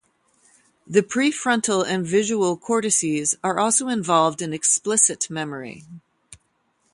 The prefrontal and visual cortices are also involved in explicit memory.